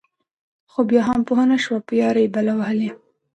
خو بيا هم پوهه نشوه په يــارۍ بلا وهــلې.